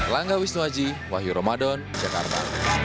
langga wisnuaji wahyu ramadan jakarta